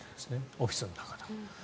オフィスの中でも。